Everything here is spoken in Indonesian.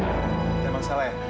ada masalah ya